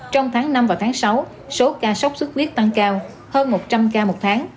trong tháng năm và tháng sáu số ca sốt xuất huyết tăng cao hơn một trăm linh ca một tháng